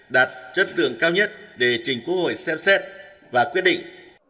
đạt chất lượng cao nhất để trình quốc hội xem xét và quyết định